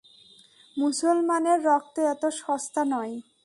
মুসলমানের রক্ত এত সস্তা নয়।